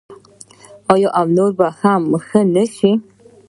آیا او نور به هم ښه نشي؟